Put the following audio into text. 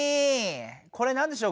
これ何でしょう。